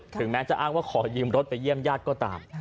ถึงแม้จะอ้างว่าขอยืมรถไปเยี่ยมญาติก็ตาม